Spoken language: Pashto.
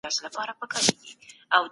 ذمي ته باید احترام وسي.